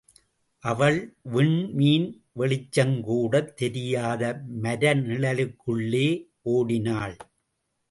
அவள் விண்மீன் வெளிச்சங்கூடத் தெரியாத மரநிழலுக்குள்ளே ஓடினாள்.